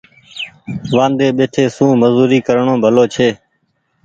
وآندي ٻيٺي سون مزوري ڪرڻو ڀلو ڇي۔